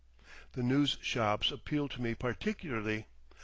The news shops appealed to me particularly.